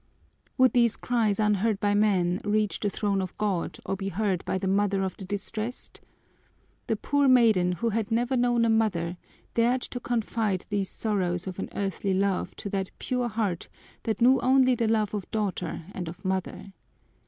Would these cries unheard by men reach the throne of God or be heard by the Mother of the distressed? The poor maiden who had never known a mother dared to confide these sorrows of an earthly love to that pure heart that knew only the love of daughter and of mother.